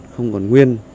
không còn nguyên